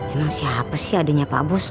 emang siapa sih adiknya pak bos